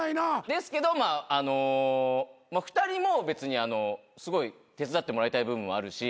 ですけど２人も別にすごい手伝ってもらいたい部分もあるし。